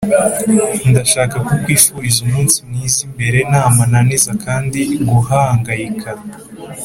ndashaka kukwifuriza umunsi mwiza imbere nta mananiza kandi guhangayika,